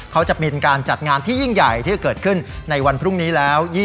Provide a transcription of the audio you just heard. จะเป็นการจัดงานที่ยิ่งใหญ่ที่จะเกิดขึ้นในวันพรุ่งนี้แล้ว